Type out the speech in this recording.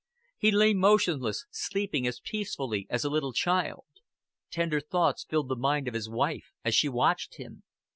He lay motionless, sleeping as peacefully as a little child. Tender thoughts filled the mind of his wife as she watched him.